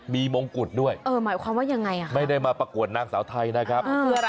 มีมงกุฎด้วยไม่ได้มาประกวดนางสาวไทยนะครับ